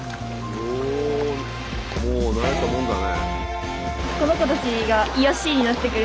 もう慣れたもんだね。